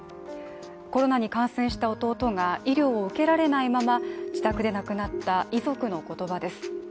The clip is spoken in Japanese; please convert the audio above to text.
コロナに感染した弟が医療を受けられないまま自宅で亡くなった遺族の言葉です。